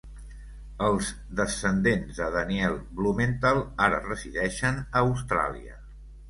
Els descendents de Daniel Blumenthal ara resideixen a Austràlia.